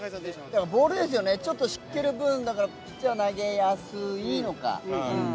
ボールですよね、ちょっと湿気がある分ピッチャー投げやすいのか。